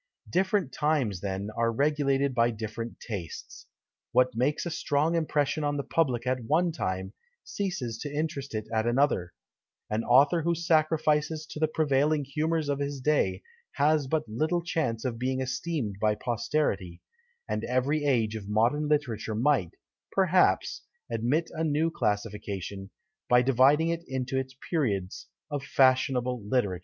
Different times, then, are regulated by different tastes. What makes a strong impression on the public at one time, ceases to interest it at another; an author who sacrifices to the prevailing humours of his day has but little chance of being esteemed by posterity; and every age of modern literature might, perhaps, admit of a new classification, by dividing it into its periods of fashionable literature.